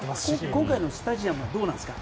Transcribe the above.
今回のスタジアムはどうなんですか？